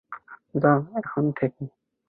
যাও এখান থেকে।